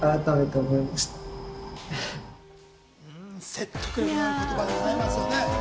説得力のある言葉でございますね。